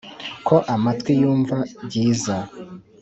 ko amatwi yumva byiza,